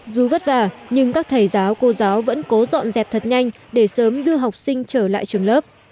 dù vất vả nhưng các thầy giáo cô giáo vẫn cố dọn dẹp thật nhanh để sớm đưa học sinh trở lại trường lớp